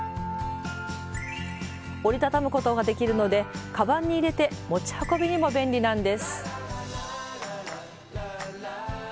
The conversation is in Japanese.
折りたたむことができるのでカバンに入れて持ち運びにも便利なんです。